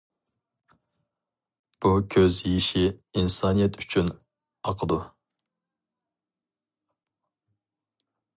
بۇ كۆز يېشى ئىنسانىيەت ئۈچۈن ئاقىدۇ.